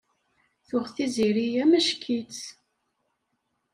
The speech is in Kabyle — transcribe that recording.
Tuɣ Tiziri amack-itt.